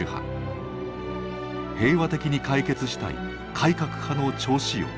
平和的に解決したい改革派の趙紫陽。